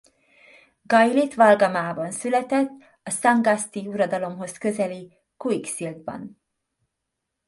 Gailit Valgamaa-ban született a Sangaste-i uradalomhoz közeli Kuiksild-ban.